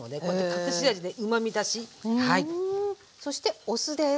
そしてお酢です。